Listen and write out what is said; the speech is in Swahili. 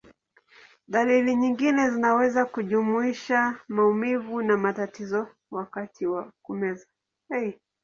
Dalili nyingine zinaweza kujumuisha maumivu na matatizo wakati wa kumeza.